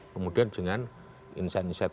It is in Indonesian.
kemudian dengan insight insight